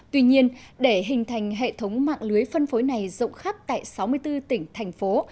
tuy nhiên để hình thành hệ thống mạng lưới phân phối này rộng khắp tại sáu mươi bốn tỉnh thành phố